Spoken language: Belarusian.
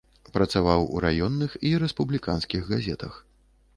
Працаваў у раённых і рэспубліканскіх газетах.